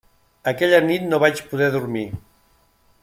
Aquella nit no vaig poder dormir.